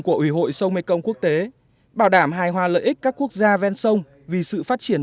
của ủy hội sông mekong quốc tế bảo đảm hài hòa lợi ích các quốc gia ven sông vì sự phát triển